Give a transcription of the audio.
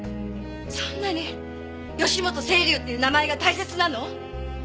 そんなに義本青流っていう名前が大切なの？